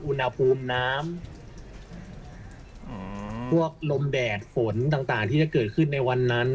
อุณหภูมิน้ำพวกลมแดดฝนต่างที่จะเกิดขึ้นในวันนั้น